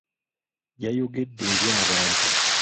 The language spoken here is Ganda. Yayogedde eri abantu.